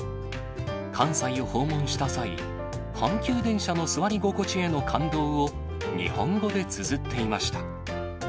関西を訪問した際、阪急電車の座り心地への感動を、日本語でつづっていました。